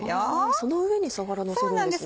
その上にさわらのせるんですね。